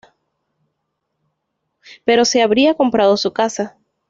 Pero se había comprado su casa.